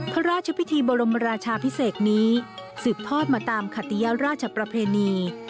พระราชพิธีบรมราชาพิเศษนี้สืบทอดมาตามขติยราชประเพณี